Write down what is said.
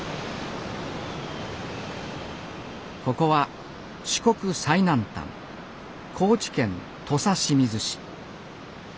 ここは四国最南端高知県土佐清水市。